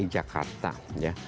di dki jakarta ya